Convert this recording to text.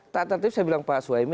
tata tertib saya bilang pak suhaimi